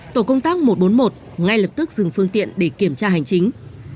tổ công tác một trăm bốn mươi một ngay lập tức dừng phương tiện để kiểm tra hành chính